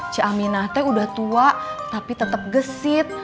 ciaminate udah tua tapi tetap gesit